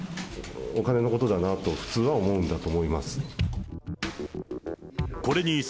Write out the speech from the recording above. お金のことだなと、普通は思うんだと思います。